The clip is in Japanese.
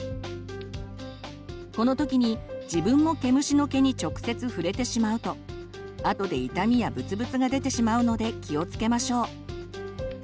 この時に自分も毛虫の毛に直接触れてしまうとあとで痛みやブツブツが出てしまうので気をつけましょう。